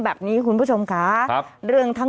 ฮ่าฮ่าฮ่า